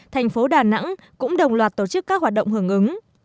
thành phố đà nẵng cũng đồng loạt tổ chức các hoạt động hưởng ứng